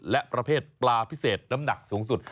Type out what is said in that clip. และประเภทปลาพิเศษน้ำหนักสูงสุด